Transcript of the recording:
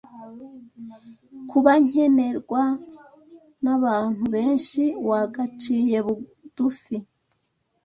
kuba nkenerwa nabntu benshi wagaciye budufi